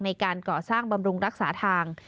ในการก่อสร้างบำรุงรักษาทาง